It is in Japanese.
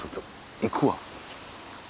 行くわ。